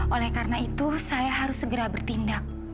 oleh karena itu saya harus segera bertindak